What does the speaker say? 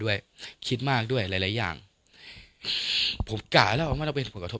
คิดมากด้วยหลายหลายอย่างผมกะแล้วไม่ต้องเป็นผลกระทบ